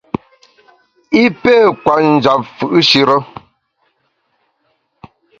I pé kwet njap fù’shire.